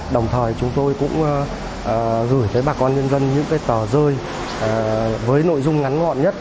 đồng thời chúng tôi cũng gửi tới bà con nhân dân những tờ rơi với nội dung ngắn gọn nhất